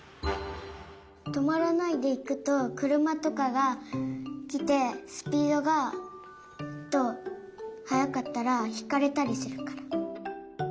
とまらないでいくとくるまとかがきてスピードがえっとはやかったらひかれたりするから。